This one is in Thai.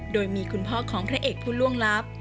โดยมีคุณพ่อของพระเอกผู้ล่วงลับ